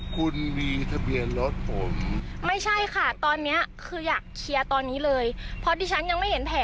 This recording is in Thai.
คุณเนี่ยน่าจะเลอะเทอะ